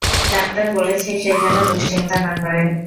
Doctor বলেছে সে যেন দুশ্চিন্তা না করে।